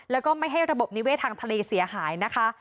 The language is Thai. แล้วก็ไม่ให้ระบบนิเวศทางทะเลเสียหายนะคะ